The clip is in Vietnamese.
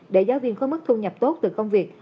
để giáo viên có mức thu nhập tốt từ công việc